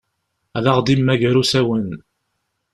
Ad aɣ-d-immager usawen.